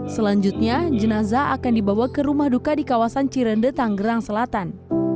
selanjutnya jenazah akan dibawa ke rumah duka di kawasan cirende tanggerang selatan